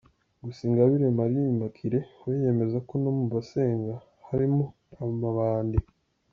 Gusa Ingabire Marie Immaculee we yemeza ko no mu basenga harimo amabandi.